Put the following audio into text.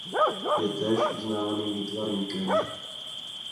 Je též uznávaným výtvarníkem.